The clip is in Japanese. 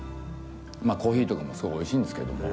コーヒーとかもすごいおいしいんですけども。